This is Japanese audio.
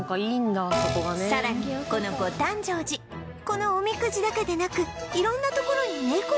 さらにこの御誕生寺このおみくじだけでなく色んな所に猫がいる